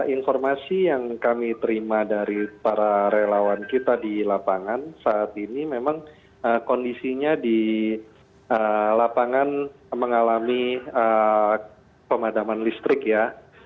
informasi yang kami terima dari para relawan kita di lapangan saat ini memang kondisinya di lapangan mengalami pemadaman listrik ya